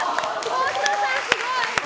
北斗さん、すごい！